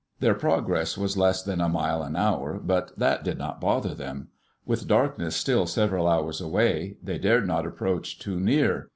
Their progress was less than a mile an hour, but that did not bother them. With darkness still several hours away, they dared not approach too near.